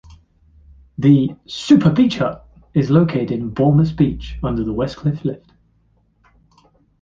The "super beach hut" is located on Bournemouth's beach under the West Cliff lift.